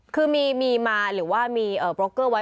คือมีมาหรือว่ามีโปรเกอร์ไว้